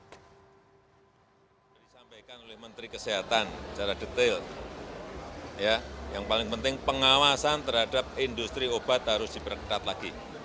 disampaikan oleh menteri kesehatan secara detail yang paling penting pengawasan terhadap industri obat harus diperketat lagi